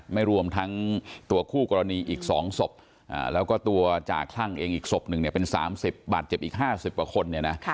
รวมทั้งตัวคู่กรณีอีก๒ศพแล้วก็ตัวจ่าคลั่งเองอีกศพหนึ่งเนี่ยเป็น๓๐บาทเจ็บอีก๕๐กว่าคนเนี่ยนะ